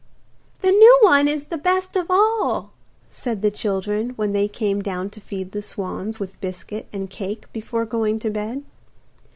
'The new one is the best of all,' said the children when they came down to feed the swans with biscuit and cake before going to bed.